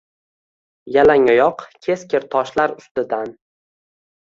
Yalang oyoq, keskir toshlar ustidan.